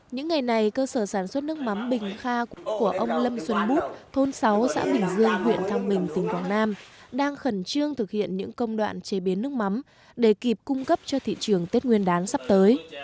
những ngày này cơ sở sản xuất nước mắm bình kha của ông lâm xuân bút thôn sáu xã bình dương huyện thăng bình tỉnh quảng nam đang khẩn trương thực hiện những công đoạn chế biến nước mắm để kịp cung cấp cho thị trường tết nguyên đán sắp tới